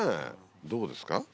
どうですか？